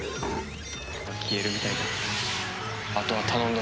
消えるみたいだ。